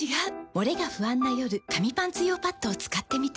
モレが不安な夜紙パンツ用パッドを使ってみた。